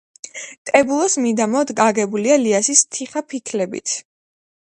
ტებულოს მიდამო აგებულია ლიასის თიხაფიქლებით.